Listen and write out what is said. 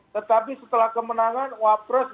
tetapi setelah kemenangan wakil presiden